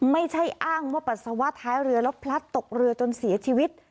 ไม่ใช่อ้างว่าปัสสาวะท้ายเรือแล้วพลัดตกเรือจนเสียชีวิต